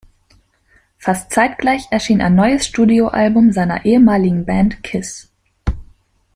Fast zeitgleich erschien ein neues Studioalbum seiner ehemaligen Band Kiss.